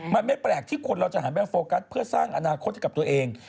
มันไม่แปลกที่คนเราจะหันไปโฟกัสเพื่อสร้างอนาคตให้กับตัวเอง